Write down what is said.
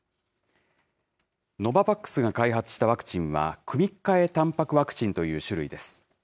ノババックスが開発したワクチンは、組換えたんぱくワクチンという種類です。